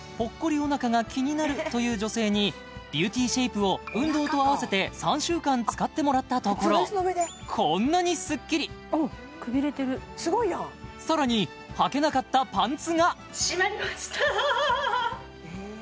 お腹が気になるという女性にビューティーシェイプを運動と合わせて３週間使ってもらったところこんなにスッキリくびれてるすごいやんさらに閉まりました